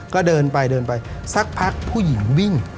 ก็เดินไปเดินไปสักพักผู้หญิงวิ่ง